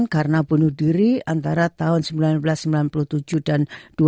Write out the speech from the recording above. karena bunuh diri antara tahun seribu sembilan ratus sembilan puluh tujuh dan dua ribu dua puluh